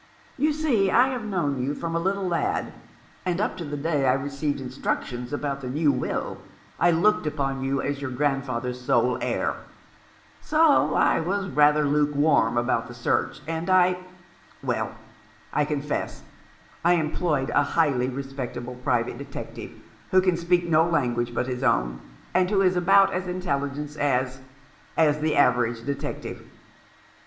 You 356 The Man behind the Mask. see, I have known you from a little lad, and up to the day I received instructions about the new will I looked upon you as your grandfather's sole heir ; so I was rather lukewarm about the search, and I — well, I confess I employed a highly respectable private detective, who can speak no language but his own, and who is about as intel ligent as — as the average detective."